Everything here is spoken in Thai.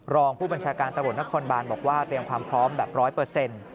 รองผู้บัญชาการตำรวจนครบานบอกว่าเตรียมความพร้อมแบบร้อยเปอร์เซ็นต์